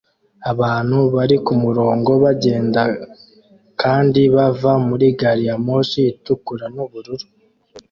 Abantu bari kumurongo bagenda kandi bava muri gari ya moshi itukura nubururu